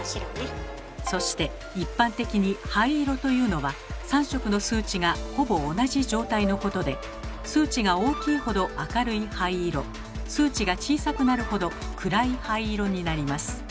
そして一般的に灰色というのは３色の数値がほぼ同じ状態のことで数値が大きいほど明るい灰色数値が小さくなるほど暗い灰色になります。